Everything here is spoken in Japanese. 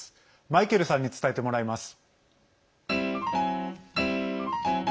マイケルさんに伝えてもらいます。